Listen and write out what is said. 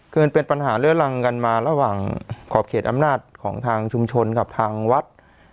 มันเป็นปัญหาเลื้อรังกันมาระหว่างขอบเขตอำนาจของทางชุมชนกับทางวัด